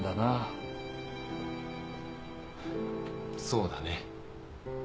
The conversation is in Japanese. そうだね。